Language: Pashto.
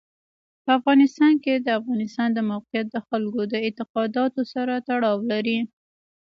په افغانستان کې د افغانستان د موقعیت د خلکو د اعتقاداتو سره تړاو لري.